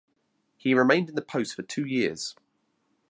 He remained in the post for two years.